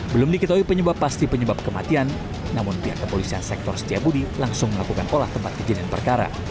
belum diketahui penyebab pasti penyebab kematian namun pihak kepolisian sektor setiabudi langsung melakukan olah tempat kejadian perkara